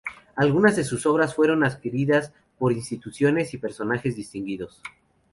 Algunas de sus obras fueron adquiridas por instituciones y personajes distinguidos.